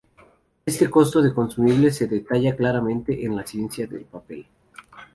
Este costo de consumibles se detalla claramente en la Ciencia de papel.